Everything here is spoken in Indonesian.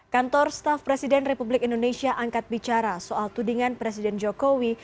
kantor staff presiden republik indonesia angkat bicara soal tudingan presiden jokowi